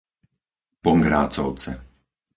Pongrácovce